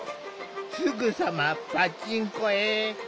すぐさまパチンコへ。